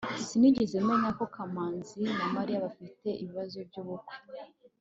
sinigeze menya ko kamanzi na mariya bafite ibibazo byubukwe